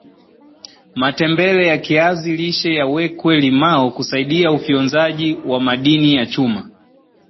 matembele ya kiazi lishe yawekwe limao kusaidia ufyonzaji wa madini ya chuma